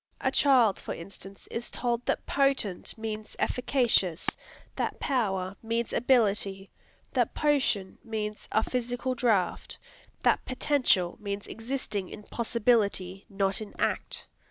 A child, for instance, is told that "potent" means "efficacious," that "power" means "ability," that "potion" means a "physical draught," that "potential" means "existing in possibility, not in act."